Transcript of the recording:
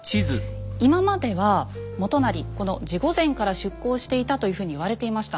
今までは元就この地御前から出港していたというふうに言われていました。